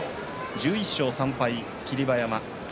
１１勝３敗、霧馬山。